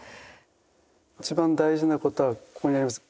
一番大事なことはここになります。